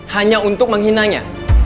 hanya untuk menghinanya